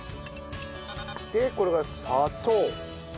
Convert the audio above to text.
でこれが砂糖。